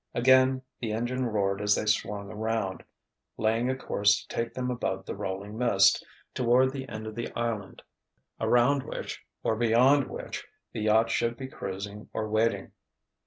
Again the engine roared as they swung around, laying a course to take them above the rolling mist, toward the end of the island around which—or beyond which—the yacht should be cruising or waiting.